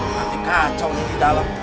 nanti kacau nih di dalam